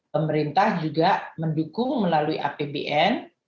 pemerintah juga mendukung melalui apbn